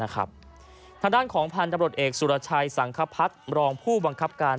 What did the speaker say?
ทางด้านของพันธุ์ตำรวจเอกสุรชัยสังคพัฒน์รองผู้บังคับการ